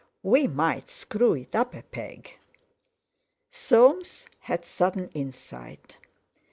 We might screw it up a peg." Soames had sudden insight.